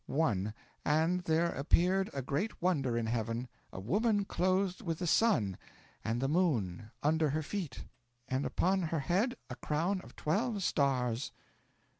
1. And there appeared a great wonder in heaven a woman clothed with the sun, and the moon under her feet, and upon her head a crown of twelve stars."